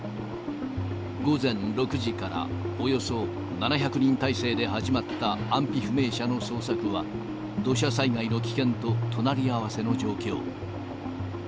午前６時からおよそ７００人態勢で始まった、安否不明者の捜索は、土砂災害の危険と隣り合わせの状況。